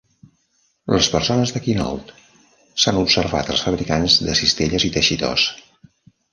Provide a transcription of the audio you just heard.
Les persones de Quinault s'han observat els fabricants de cistelles i teixidors.